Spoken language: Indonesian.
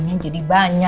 gak ada apa apa